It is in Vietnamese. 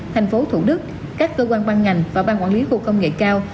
thành phố thủ đức các cơ quan ban ngành và ban quản lý khu công nghệ cao